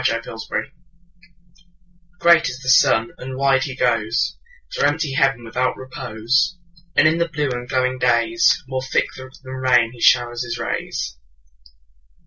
Summer Sun GREAT is the sun, and wide he goesThrough empty heaven without repose; And in the blue and glowing daysMore thick than rain he showers his rays.